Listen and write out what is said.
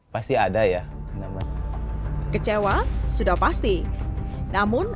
pasti ada ya kecewa sudah pasti namun kecewa sudah pasti namun kecewa sudah pasti namun kecewa sudah pasti namun